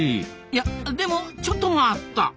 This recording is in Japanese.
いやでもちょっと待った！